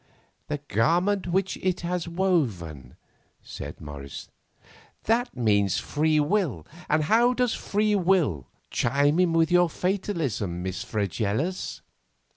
"The garment which it has woven," said Morris. "That means free will, and how does free will chime in with your fatalism, Miss Fregelius?"